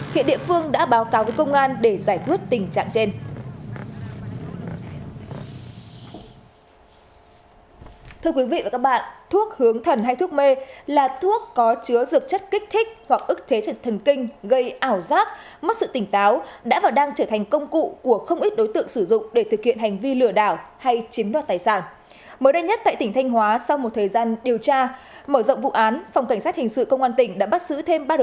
hiện địa phương đã báo cáo với công an để giải quyết tình trạng trên